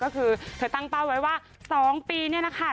ก็คือเธอตั้งเป้าไว้ว่า๒ปีเนี่ยนะคะ